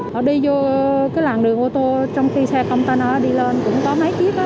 họ đi vô cái làn đường ô tô trong khi xe container đi lên cũng có máy kiếp